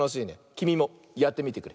きみもやってみてくれ。